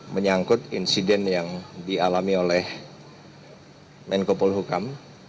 menyangkut insiden yang dialami oleh menkopol hukam